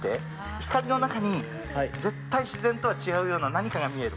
光の中に絶対自然とは違うような何かが見える。